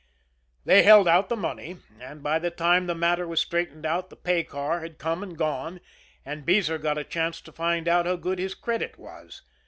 They held out the money, and by the time the matter was straightened out the pay car had come and gone, and Beezer got a chance to find out how good his credit was.